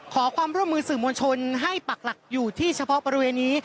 ขอความร่วมมือสื่อมวลชนให้ปักหลักอยู่ที่เฉพาะบริเวณนี้